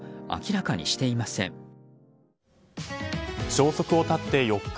消息を絶って４日。